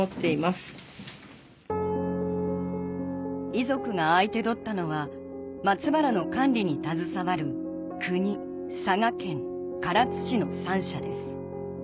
遺族が相手取ったのは松原の管理に携わる国佐賀県唐津市の三者です